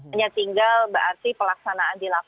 hanya tinggal berarti pelaksanaan dilakukan